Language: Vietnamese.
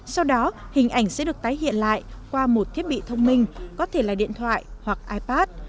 sau đó hình ảnh sẽ được tái hiện lại qua một thiết bị thông minh có thể là điện thoại hoặc ipad